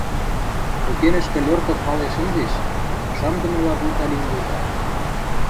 пӧкенӹшкӹ льорток вален шӹнзеш, шамдымыла вуйта лин колта.